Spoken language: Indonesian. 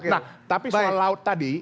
nah tapi soal laut tadi